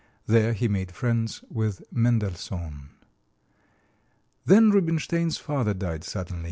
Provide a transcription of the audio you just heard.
There he made friends with Mendelssohn. Then Rubinstein's father died suddenly.